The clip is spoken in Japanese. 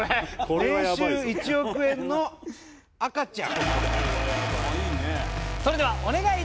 「年収１億円の赤ちゃん」。